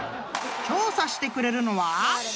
［調査してくれるのは］